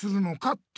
って。